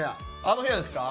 あの部屋ですか？